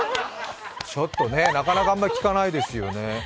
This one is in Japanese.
なかなかあんまり聞かないですよね。